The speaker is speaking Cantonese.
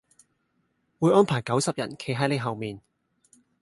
會安排九十人企喺你後面